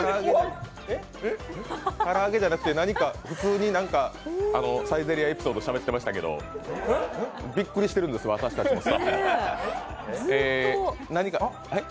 唐揚げじゃなくて普通にサイゼリヤエピソードしゃべってたんですけどびっくりしているんです、私たちもスタッフも。